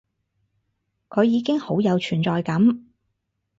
佢已經好有存在感